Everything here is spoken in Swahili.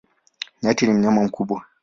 Nyati ni mnyama mkubwa.